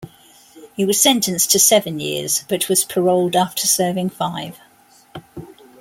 He was sentenced to seven years but was paroled after serving five.